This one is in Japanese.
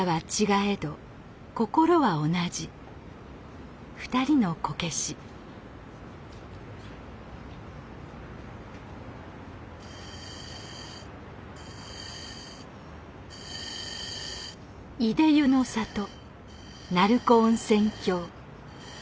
いで湯の里鳴子温泉郷。